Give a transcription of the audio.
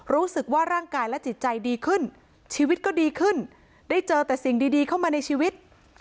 รู้สึกว่าร่างกายและจิตใจดีขึ้นชีวิตก็ดีขึ้นได้เจอแต่สิ่งดีเข้ามาในชีวิต